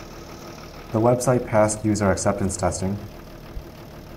The website passed user acceptance testing.